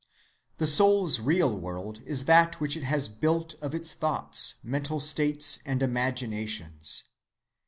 "The soul's real world is that which it has built of its thoughts, mental states, and imaginations.